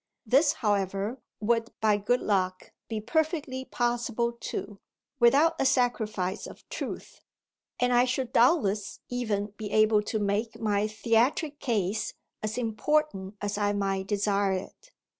This, however, would by good luck be perfectly possible too without a sacrifice of truth; and I should doubtless even be able to make my theatric case as important as I might desire it.